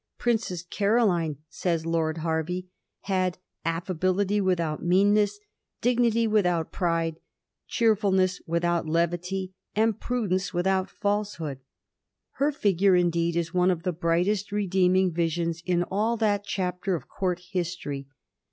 " Princess Caroline," says Lord Hervey, " had affa bility without meanness, dignity without pride, cheerful ness without levity, and prudence without falsehood." Her figure indeed is one of the bright redeeming visions in all that chapter of Court history.